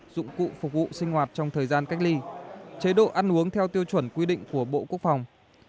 dụng cụ phục vụ sinh hoạt trong thời gian cách ly chế độ ăn uống theo tiêu chuẩn quy định của bộ quốc phòng